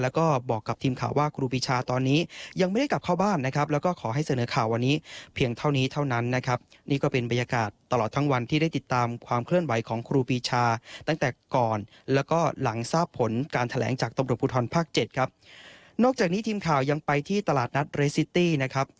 แล้วก็บอกกับทีมข่าวว่าครูปีชาตอนนี้ยังไม่ได้กลับเข้าบ้านนะครับแล้วก็ขอให้เสนอข่าววันนี้เพียงเท่านี้เท่านั้นนะครับ